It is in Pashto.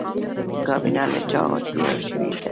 کابینه له چا جوړه شوې ده؟